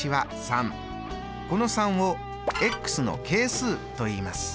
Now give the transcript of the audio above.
この３をの係数といいます。